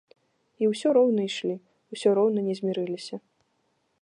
І ўсё роўна ішлі, усё роўна не змірыліся.